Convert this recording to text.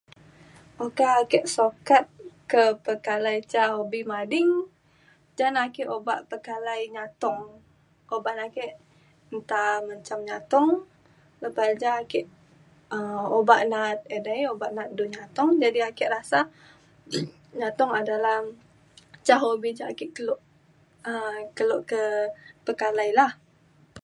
oka ake sukat ke pekalai ca hobi mading ja na ake obak pekalai nyatong oban ake nta menjam nyatong lepa ja ake um obak na’at edei obak na’a du nyatong. jadi ake rasa nyatong adalah ca hobi ja ake kelo um kelo ke pekalai lah